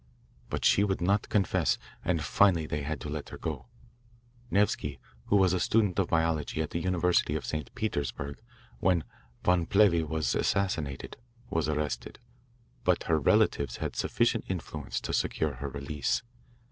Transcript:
But she would not confess, and finally they had to let her go. Nevsky, who was a student of biology at the University of St. Petersburg when Von Plehve was assassinated, was arrested, but her relatives had sufficient influence to secure her release.